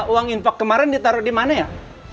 uang impor kemarin ditaruh di mana ya